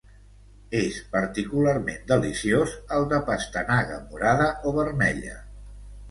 És particularment deliciós el de pastanaga morada o vermella